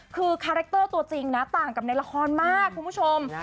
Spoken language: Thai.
คือคาแรคเตอร์ตัวจริงนะต่างกับในละครมากคุณผู้ชม